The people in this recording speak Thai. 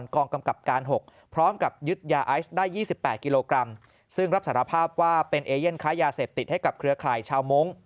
กว่า๕กรัมซึ่งรับสารภาพว่าเป็นเอเย่นขายาเสพติดให้กับเครือข่ายชาวม้ง